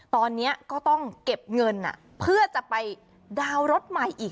ตอนนี้ก็ต้องเก็บเงินเพื่อจะไปดาวน์รถใหม่อีก